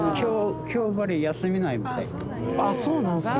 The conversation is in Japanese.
ああそうなんですか。